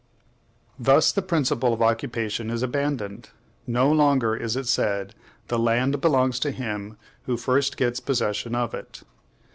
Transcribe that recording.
Thus, the principle of occupation is abandoned; no longer is it said, "The land belongs to him who first gets possession of it."